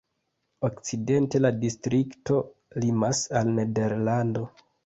Okcidente la distrikto limas al Nederlando.